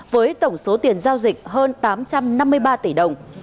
với tổng số tiền giao dịch hơn tám trăm năm mươi ba tỷ đồng